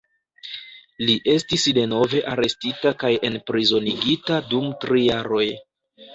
Li estis denove arestita kaj enprizonigita dum tri jaroj.